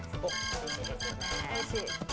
おいしいですよね。